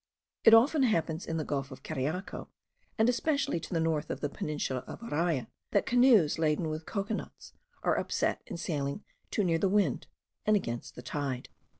It often happens in the gulf of Cariaco, and especially to the north of the peninsula of Araya, that canoes laden with cocoa nuts are upset in sailing too near the wind, and against the tide.